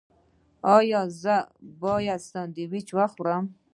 ایا زه باید سنډویچ وخورم؟